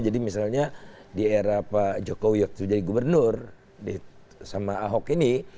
jadi misalnya di era pak jokowi waktu itu jadi gubernur sama ahok ini